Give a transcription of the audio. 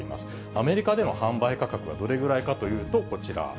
アメリカでの販売価格はどれぐらいかというと、こちら。